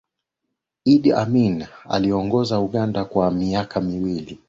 iddi amini aliongoza uganda kwa miaka miwili